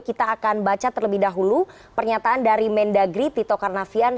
kita akan baca terlebih dahulu pernyataan dari mendagri tito karnavian